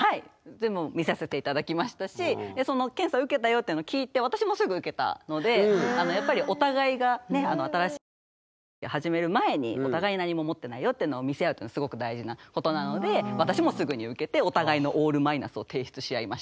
全部見させて頂きましたしその検査受けたよっていうの聞いてやっぱりお互いがね新しい交際関係始める前にお互い何も持ってないよっていうのを見せ合うってすごく大事なことなので私もすぐに受けてお互いのオールマイナスを提出し合いました。